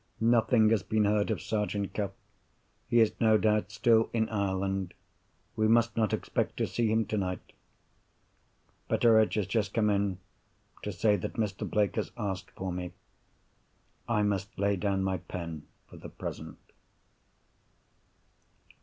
Nothing has been heard of Sergeant Cuff. He is no doubt still in Ireland. We must not expect to see him tonight. Betteredge has just come in, to say that Mr. Blake has asked for me. I must lay down my pen for the present.